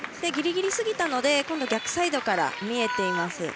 ギリギリすぎたので今度、逆サイドから見えています。